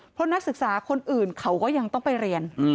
เพราะนักศึกษาคนอื่นเขาก็ยังต้องไปเรียน